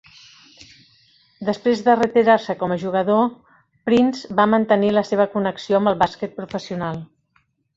Després de retirar-se com a jugador, Prince va mantenir la seva connexió amb el bàsquet professional.